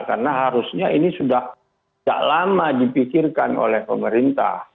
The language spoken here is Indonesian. karena harusnya ini sudah tidak lama dipikirkan oleh pemerintah